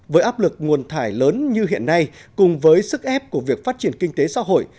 với áp lực nguồn thải lớn như hiện nay cùng với sức ép của việc phát triển kinh tế xã hội